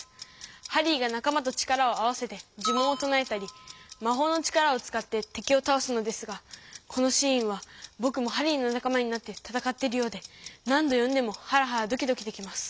ハリーがなか間と力を合わせて呪文を唱えたりまほうの力を使っててきをたおすのですがこのシーンはぼくもハリーのなか間になってたたかってるようで何ど読んでもハラハラドキドキできます。